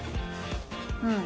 うん。